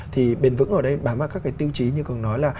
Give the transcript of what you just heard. thì bền vững ở đây bám vào các cái tiêu chí như cường nói là